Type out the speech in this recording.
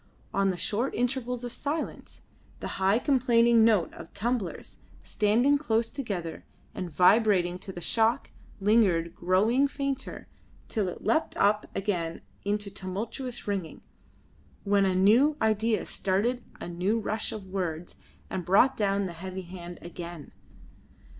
On the short intervals of silence, the high complaining note of tumblers, standing close together and vibrating to the shock, lingered, growing fainter, till it leapt up again into tumultuous ringing, when a new idea started a new rush of words and brought down the heavy hand again.